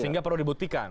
sehingga perlu dibuktikan